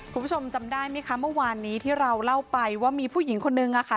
คุณผู้ชมจำได้ไหมคะเมื่อวานนี้ที่เราเล่าไปว่ามีผู้หญิงคนนึงอะค่ะ